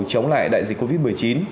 chống lại đại dịch covid một mươi chín